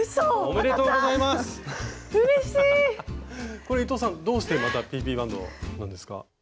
これ伊藤さんどうしてＰＰバンドなんですか？